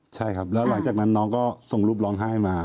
ใช่ครับแล้วหลังจากนั้นน้องก็ส่งรูปร้องไห้มา